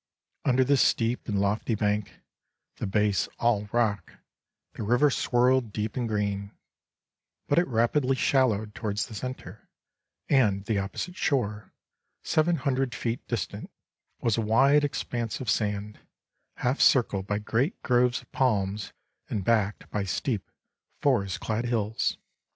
Under this steep and lofty bank, the base all rock, the river swirled deep and green; but it rapidly shallowed towards the centre, and the opposite shore, seven hundred feet distant, was a wide expanse of sand, half circled by great groves of palms, and backed by steep, forest clad hills.